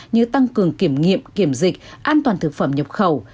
như tăng cường kiểm nghiệm kiểm dịch an toàn thực phẩm nhập khẩu